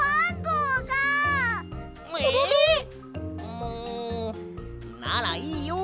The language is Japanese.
もうならいいよ。